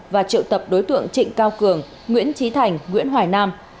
và triệu tập đối tượng trịnh cao cường nguyễn trí thành nguyễn hoài nam